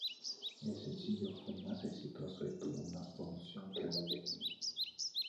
El sencillo fue más exitoso y tuvo más promoción que "Look At Me".